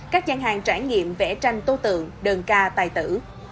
các gian hàng trải nghiệm vẽ tranh tô tượng đơn ca tài tử